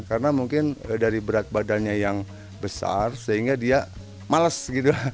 karena mungkin dari berat badannya yang besar sehingga dia males gitu